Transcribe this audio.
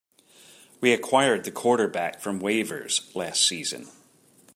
We acquired the quarterback from waivers last season.